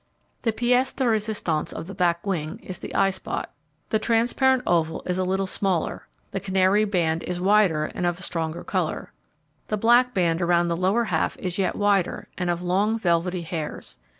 The 'piece de resistance' of the back wing, is the eyespot. The transparent oval is a little smaller. The canary band is wider, and of stronger colour. The black band around the lower half is yet wider, and of long velvety hairs.